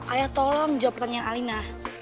ayah tolong jawab pertanyaan alina